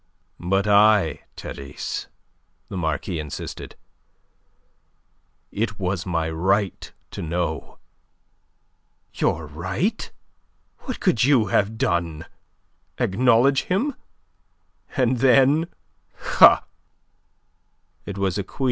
"But I, Therese?" the Marquis insisted. "It was my right to know." "Your right? What could you have done? Acknowledge him? And then? Ha!"